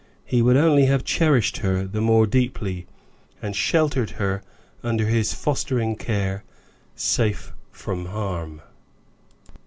He would only have cherished her the more deeply, and sheltered her under his fostering care, safe from harm.